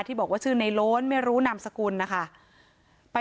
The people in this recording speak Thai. บอกว่าชื่อในโล้นไม่รู้นามสกุลนะคะ